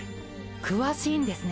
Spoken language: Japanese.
詳しいんですね。